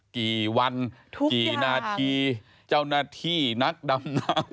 กี่วันกี่นาทีเจ้าหน้าที่นักดำน้ำ